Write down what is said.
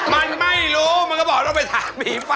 มันไม่รู้มันก็บอกต้องไปถามผีฟัง